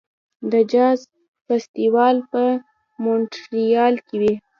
د جاز فستیوال په مونټریال کې وي.